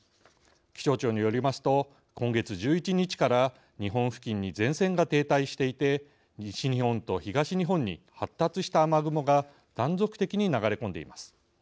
気象庁によりますと今月１１日から日本付近に前線が停滞していて西日本と東日本に発達した雨雲が断続的に流れ込んでいます。